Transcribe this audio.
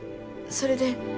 それで。